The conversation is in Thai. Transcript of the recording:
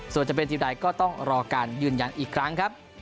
ส่วนจะเป็นทีมใดก็ต้องรอการยืนยันอีกครั้งครับ